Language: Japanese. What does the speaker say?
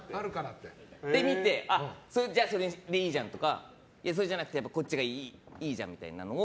で、見てそれでいいじゃんとかそれじゃなくて、こっちがいいじゃんみたいなのを。